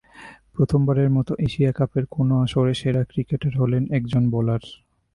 প্রথমবারের মতো এশিয়া কাপের কোনো আসরে সেরা ক্রিকেটার হলেন একজন বোলার।